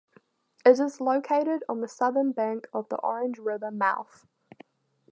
It is located on the southern bank of the Orange River mouth.